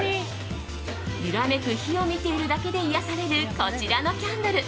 揺らめく火を見ているだけで癒やされるこちらのキャンドル。